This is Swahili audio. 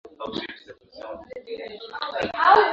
La kijeshi lililotwaa madaraka kwa nguvu nchini Cuba mwaka